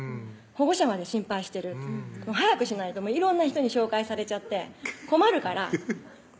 「保護者まで心配してる」「早くしないと色んな人に紹介されちゃって困るから」